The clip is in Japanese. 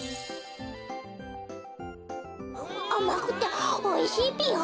あまくておいしいぴよ！